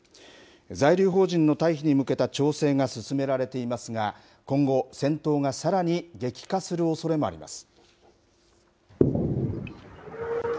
在留邦人の退避に向けた調整が進められていますが、今後、戦闘がさらに激化するおそれもあります。